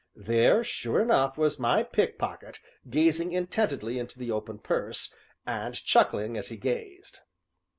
There, sure enough, was my pickpocket gazing intently into the open purse, and chuckling as he gazed.